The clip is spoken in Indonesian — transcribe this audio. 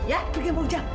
ya pergi sama ujang